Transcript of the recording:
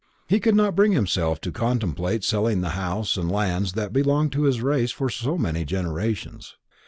He could not bring himself to contemplate selling the house and lands that had belonged to his race for so many generations.